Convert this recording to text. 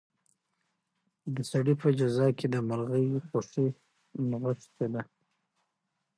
د سړي په جزا کې د مرغۍ خوښي نغښتې وه.